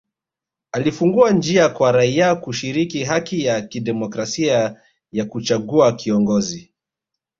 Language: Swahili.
Alifungua njia kwa raia kushiriki haki ya kidemokrasia ya kuchagua kiongozi